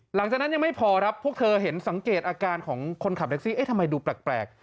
หลังจากนั้นยังไม่พอครับพวกเธอเห็นสังเกตอาการของคนขับแท็กซี่เอ๊ะทำไมดูแปลก